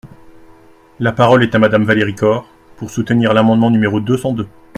La parole est à Madame Valérie Corre, pour soutenir l’amendement numéro deux cent deux.